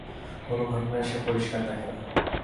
কোনো ঘটনাই সে পরিষ্কার দেখে না।